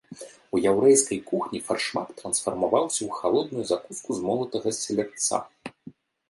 У яўрэйскай кухні фаршмак трансфармаваўся ў халодную закуску з молатага селядца.